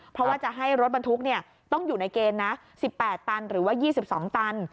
เพราะว่าจะให้รถบรรทุกต้องอยู่ในเกณฑ์นะ๑๘ตันหรือว่า๒๒ตัน